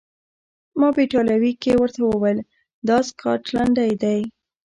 ما په ایټالوي کې ورته وویل: دا سکاټلنډۍ ده.